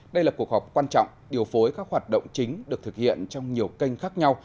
đây là cuộc họp quan trọng điều phối các hoạt động chính được thực hiện trong nhiều kênh khác nhau